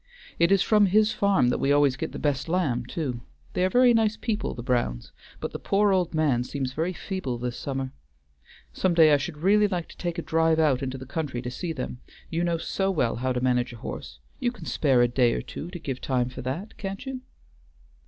It is from his farm that we always get the best lamb too; they are very nice people, the Browns, but the poor old man seems very feeble this summer. Some day I should really like to take a drive out into the country to see them, you know so well how to manage a horse. You can spare a day or two to give time for that, can't you?"